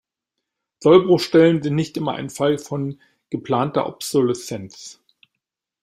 Sollbruchstellen sind nicht immer ein Fall von geplanter Obsoleszenz.